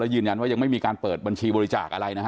ยืนยันว่ายังไม่มีการเปิดบัญชีบริจาคอะไรนะฮะ